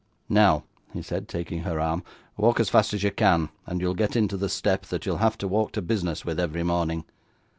'Now,' he said, taking her arm, 'walk as fast as you can, and you'll get into the step that you'll have to walk to business with, every morning.